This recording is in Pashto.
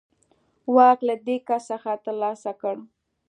واک له دې کس څخه ترلاسه کړ.